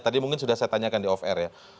tadi mungkin sudah saya tanyakan di off air ya